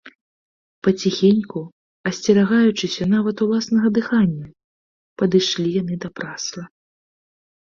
Паціхеньку, асцерагаючыся нават уласнага дыхання, падышлі яны да прасла.